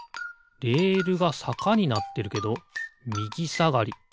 レールがさかになってるけどみぎさがり。